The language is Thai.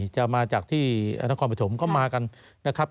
จะมาจากที่อาณาคมประถมก็มากันนะครับ